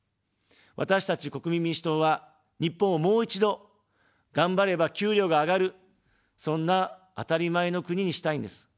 私たち国民民主党は、日本を、もう一度、がんばれば給料が上がる、そんな当たり前の国にしたいんです。